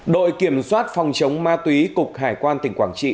đội kiểm soát phòng chống ma túy cục hải quan tỉnh quảng trị